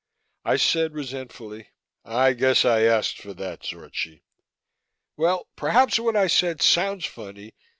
I said resentfully, "I guess I asked for that, Zorchi. Well, perhaps what I said sounds funny.